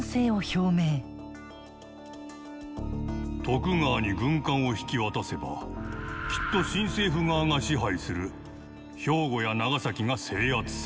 「徳川に軍艦を引き渡せばきっと新政府側が支配する兵庫や長崎が制圧される。